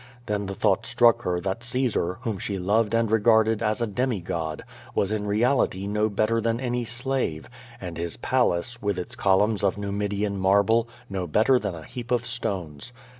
Then the thought struck her that Caesar, whom she loved and regarded as a demigod, was in reality no better than any slave, and his palace, with its columns of Numidian marble, no better than a heap of stones.